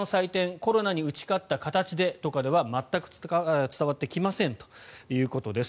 コロナに打ち勝った形でとかでは全く伝わってきませんということです。